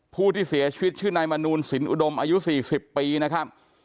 ผู้ที่เสียชีวิตชื่อนายมนูลสินอุดมอายุ๔๐ปีนะครับ